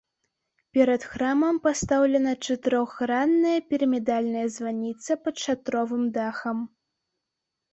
Перад храмам пастаўлена чатырохгранная пірамідальная званіца пад шатровым дахам.